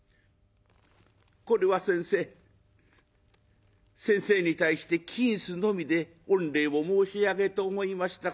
「これは先生先生に対して金子のみで御礼を申し上げと思いました